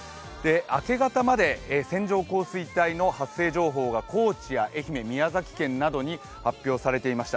明け方まで線状降水帯発生情報が高知や愛媛、宮崎県などに発表されていました。